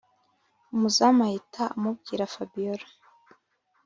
umuzamu ahita amubwira fabiora